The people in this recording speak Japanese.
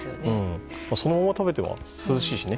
そのまま食べても涼しいしね。